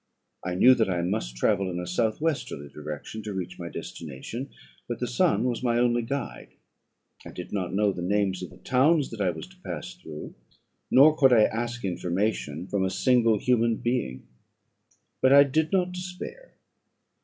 I knew that I must travel in a south westerly direction to reach my destination; but the sun was my only guide. I did not know the names of the towns that I was to pass through, nor could I ask information from a single human being; but I did not despair.